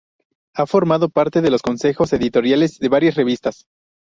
Ha formado parte de los consejos editoriales de varias revistas.